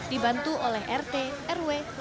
dibantu oleh rt ru dan bn